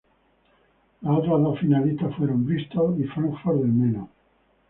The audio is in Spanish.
Las otras dos finalistas fueron: Bristol y Fráncfort del Meno.